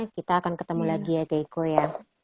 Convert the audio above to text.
kita akan ketemu lagi ya keiko ya